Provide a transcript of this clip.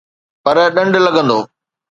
پر ڏنڊ لڳندو